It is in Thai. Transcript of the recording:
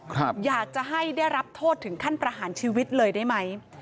อยากจะให้ได้รับโทษถึงขั้นประหารชีวิตเลยได้ไหม